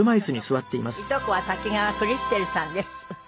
いとこは滝川クリステルさんです。